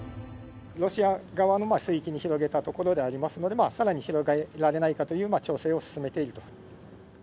ロシア側の水域に広げたところでありますので、さらに広げられないかという調整を進めていると。